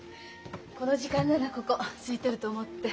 この時間ならここすいてると思って。